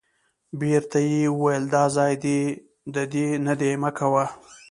بیرته یې وویل دا ځای د دې نه دی مه کوه.